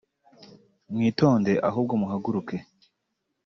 mwitonde ahubwo muhaguruke